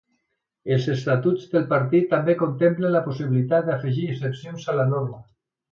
Els estatuts del partit també contemplen la possibilitat d’afegir excepcions a la norma.